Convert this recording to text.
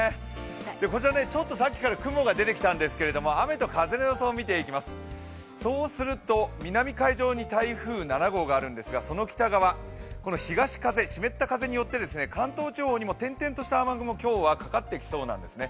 こちらちょっとさっきから雲が出てきたんですけど、雨と風の予想を見ていきますと、南海上に台風７号があるんですが、その北側、東風、湿った風によって関東地方にも点々とした雨雲が今日はかかってきそうなんですね。